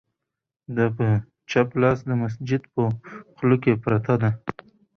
د په چپ لاس د مسجد په خوله کې پرته ده،